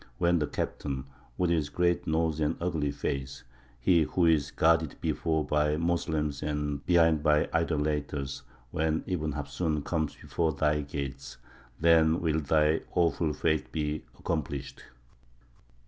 When the Captain, with his great nose and ugly face, he who is guarded before by Moslems and behind by idolaters when Ibn Hafsūn comes before thy gates, then will thy awful fate be accomplished!"